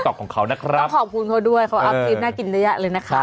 ขอขอบคุณภาพเขาด้วยเขารับกลิ่นน่ากินได้ยักษ์เลยนะคะ